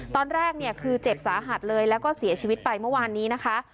ตอนแรกเนี่ยคือเจ็บสาหัสเลยแล้วก็เสียชีวิตไปเมื่อวานนี้นะคะ